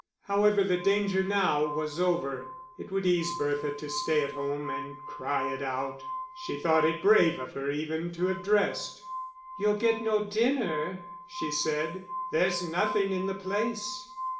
However, the danger now was over; it would ease Bertha to stay at home and cry it out. She thought it brave of her even to have dressed. "You'll get no dinner," she said. "There's nothing in the place."